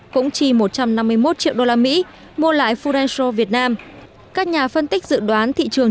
cũng chỉ một trăm năm mươi một triệu đô la mỹ mua lại furexro việt nam các nhà phân tích dự đoán thị trường